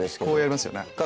こうやりますよね。